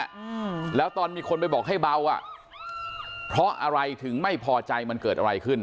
อืมแล้วตอนมีคนไปบอกให้เบาอ่ะเพราะอะไรถึงไม่พอใจมันเกิดอะไรขึ้น